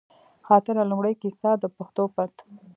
خاطره، لومړۍ کیسه ، د پښتو پت